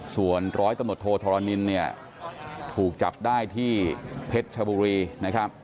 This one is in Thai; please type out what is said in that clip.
ส่วนร้อยตำรวจโทธรณินเนี่ยถูกจับได้ที่เพชรชบุรีนะครับ